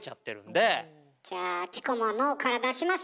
じゃあチコも脳から出します！